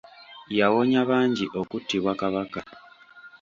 Yawonya bangi okuttibwa Kabaka.